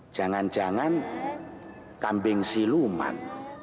jangan jangan kambing siluman